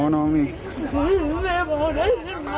น้องนี่